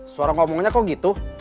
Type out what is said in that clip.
suara ngomongnya kok gitu